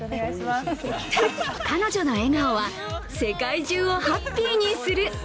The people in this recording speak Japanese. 彼女の笑顔は世界中をハッピーにする。